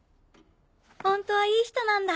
ホントはいい人なんだ。